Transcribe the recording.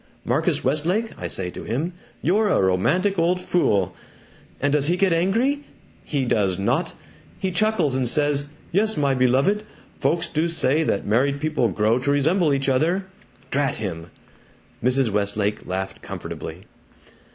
'Marcus Westlake,' I say to him, 'you're a romantic old fool.' And does he get angry? He does not! He chuckles and says, 'Yes, my beloved, folks do say that married people grow to resemble each other!' Drat him!" Mrs. Westlake laughed comfortably.